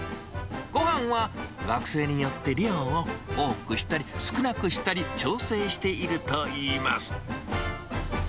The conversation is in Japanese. ごはんは学生によって量を多くしたり、少なくしたり調整しているといいます。